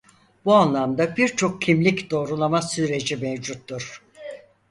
Bu anlamda birçok kimlik doğrulama süreci mevcuttur.